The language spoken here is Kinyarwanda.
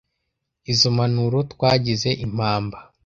izo mpanuro twagize impamba